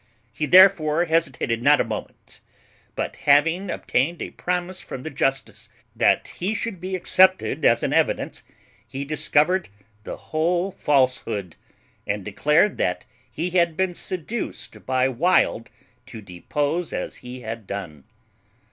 He therefore hesitated not a moment; but, having obtained a promise from the justice that he should be accepted as an evidence, he discovered the whole falsehood, and declared that he had been seduced by Wild to depose as he had done.